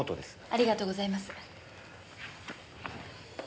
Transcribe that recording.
ありがとうございます。